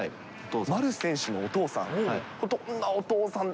丸選手のお父さん。